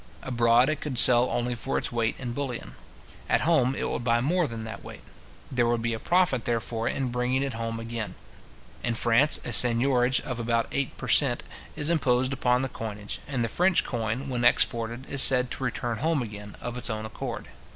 Abroad, it could sell only for its weight in bullion. At home, it would buy more than that weight. There would be a profit, therefore, in bringing it home again. In France, a seignorage of about eight per cent. is imposed upon the coinage, and the French coin, when exported, is said to return home again, of its own accord.